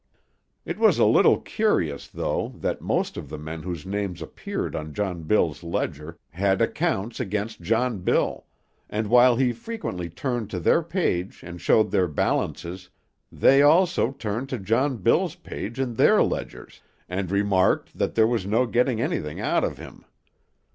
It was a little curious, though, that most of the men whose names appeared on John Bill's ledger had accounts against John Bill, and while he frequently turned to their page and showed their balances, they also turned to John Bill's page in their ledgers, and remarked that there was no getting anything out of him.